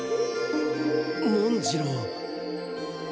文次郎？